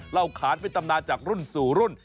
เราขานเป็นตำนานจากรุ่นสู่รุ่น